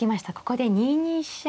ここで２二飛車。